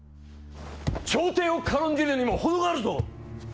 朝廷を軽んじるにも、程があるぞ。